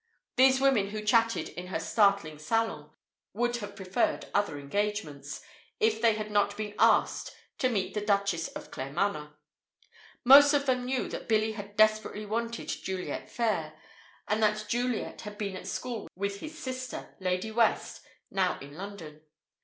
These women who chatted in her startling salon would have preferred other engagements, if they had not been asked "to meet the Duchess of Claremanagh." Most of them knew that Billy had desperately wanted Juliet Phayre, and that Juliet had been at school with his sister, Lady West, now in London.